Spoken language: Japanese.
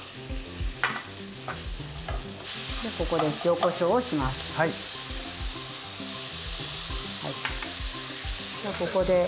ここで塩・こしょうをします。